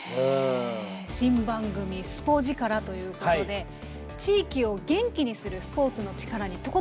新番組「スポヂカラ！」ということで地域を元気にするスポーツの力にとことん迫っていきたいと思うんですが。